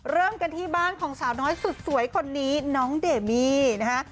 เริ่มกันที่บ้านของสาวน้อยสุดสวยคนนี้น้องเดมี่นะฮะ